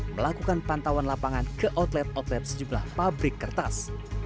melakukan pantauan lapangan ke outlet outlet sejumlah pabrik kertas